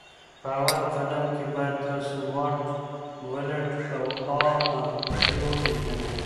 په اول قدم کي باید تاسو واټ ولټ او A امپري وپيژني